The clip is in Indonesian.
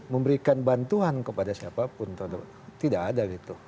memberikan bantuan kepada siapapun tidak ada gitu